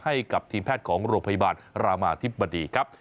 ให้กับทีมแพทย์ของโรงพยาบาลรามาธิบดีครับ